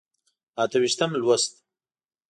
اته ویشتم لوست.